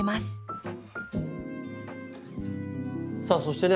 さあそしてね